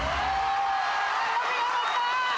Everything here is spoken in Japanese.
・よく頑張ったー！